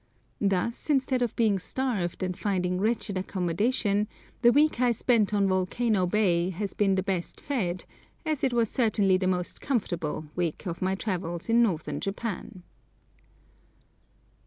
Thus, instead of being starved and finding wretched accommodation, the week I spent on Volcano Bay has been the best fed, as it was certainly the most comfortable, week of my travels in northern Japan.